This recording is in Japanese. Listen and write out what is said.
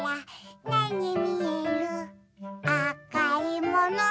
「あかいもの？